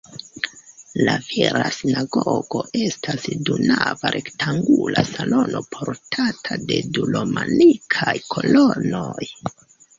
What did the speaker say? La vira sinagogo estas du-nava rektangula salono portata de du romanikaj kolonoj.